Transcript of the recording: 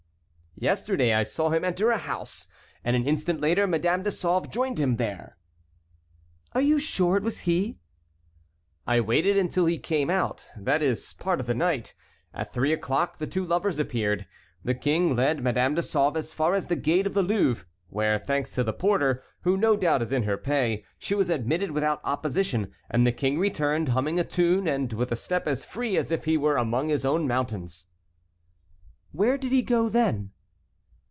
"Yesterday I saw him enter a house, and an instant later Madame de Sauve joined him there." "Are you sure it was he?" "I waited until he came out, that is, part of the night. At three o'clock the two lovers appeared. The king led Madame de Sauve as far as the gate of the Louvre, where, thanks to the porter, who no doubt is in her pay, she was admitted without opposition, and the king returned, humming a tune, and with a step as free as if he were among his own mountains." "Where did he go then?"